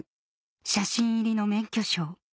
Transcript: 写真入りの免許証